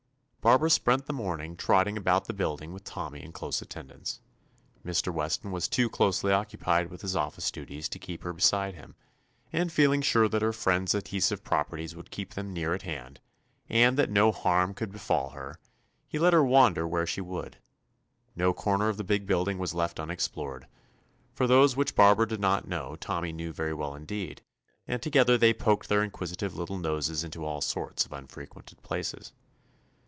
Barbara spent the morning trotting about the building with Tonmiy in 198 TOMMY POSTOFFICE close attendance. Mr. Weston was too closely occupied with his office du ties to keep her beside him, and feel With Tommy in close attendance. ing sure that her friend's adhesive properties would keep them near at hand, and that no harm could befall 199 THE ADVENTURES OF her, he let her wander where she would. No corner of the big build ing was left unexplored, for those which Barbara did not know Tommy knew very well indeed, and together they poked their inquisitive little noses into all sorts of unfrequented places.